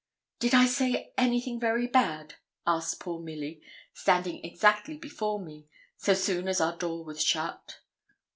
'Did I say anything very bad?' asked poor Milly, standing exactly before me, so soon as our door was shut.